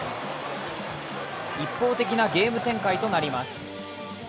一方的なゲーム展開となります。